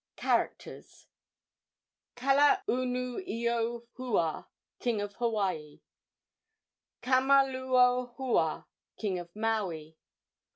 CHARACTERS. Kalaunuiohua, king of Hawaii. Kamaluohua, king of Maui.